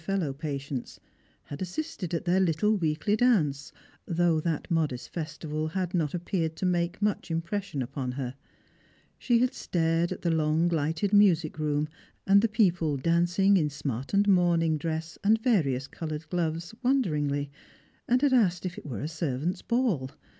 fellow patients, had assisted at their little weeklj dance, though that modest festival had not appeared to make much impres sion upon her ; she had stared at the long lighted music room and the people dancing in smartened mornin^' dreas and various coloured gloves wonderingly, and had asked if it were a servants* ball.